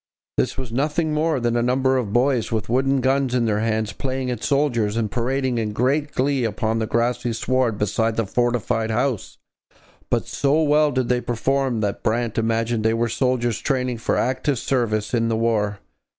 This was nothing more than a number of boys with wooden guns in their hands playing at soldiers and parading in great glee upon the grassy sward beside the fortified house; but so well did they perform that Brant imagined they were soldiers training for active service in the war.